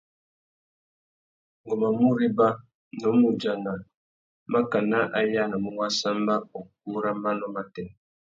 Ngu má mù réba, nnú mù udjana makana a yānamú wāssamba ukú râ manô matê.